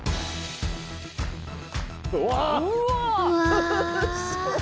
うわ！